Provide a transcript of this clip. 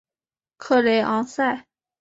克雷昂塞。